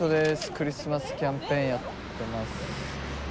クリスマスキャンペーンやってます。